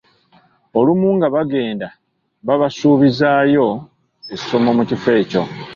Olumu nga bagenda babasuubizaayo essomo mu kifo ekyo.